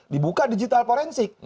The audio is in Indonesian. dibuka digital forensik